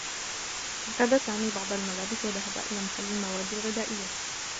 ارتدى سامي بعض الملابس و ذهب إلى محلّ المواد الغذائيّة.